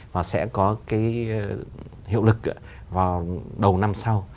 và sẽ có cái hiệu lực vào đầu năm sau